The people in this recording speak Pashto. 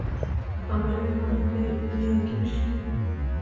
د ښاروالۍ لخوا نیالګي ویشل کیږي.